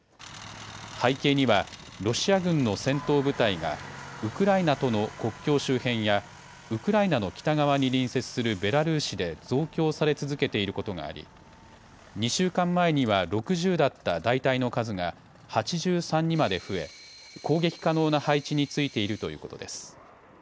背景にはロシア軍の戦闘部隊がウクライナとの国境周辺やウクライナの北側に隣接するベラルーシで増強され続けていることがあり、２週間前には６０だった大隊の数が８３にまで増え攻撃可能な配置についているということです。